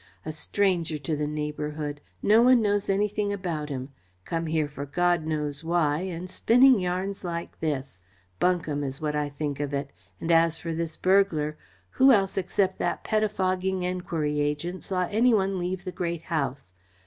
A stranger to the neighbourhood. No one knows anything about him. Come here for God knows why, and spinning yarns like this! Bunkum is what I think of it! And as for this burglar, who else except that pettifogging enquiry agent saw any one leave the Great House?